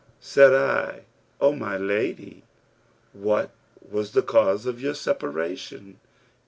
Said I, 'O my lady, and what was the cause of your separation?'